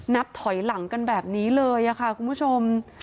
นับถอยหลังกันแบบนี้เลยค่ะคุณผู้ชม